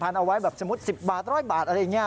เอาไว้แบบสมมุติ๑๐บาท๑๐๐บาทอะไรอย่างนี้